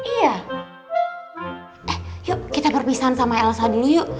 iya eh yuk kita perpisahan sama elsa dulu yuk